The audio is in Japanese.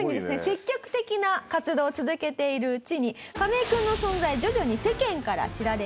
積極的な活動を続けているうちにカメイ君の存在徐々に世間から知られていきます。